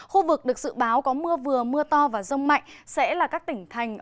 khu vực được dự báo có mưa vừa mưa to và rông mạnh sẽ là các tỉnh thành